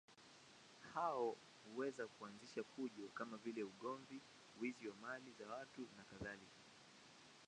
Hao huweza kuanzisha fujo kama vile ugomvi, wizi wa mali za watu nakadhalika.